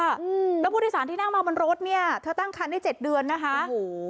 อืมแล้วผู้โดยสารที่นั่งมาบนรถเนี้ยเธอตั้งคันได้เจ็ดเดือนนะคะโอ้โห